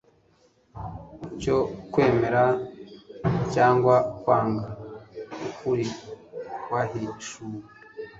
cyo kwemera cyangwa kwanga ukuri kwahishuwe